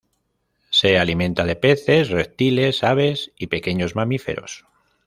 Se alimentan de peces, reptiles, aves, y pequeños mamíferos.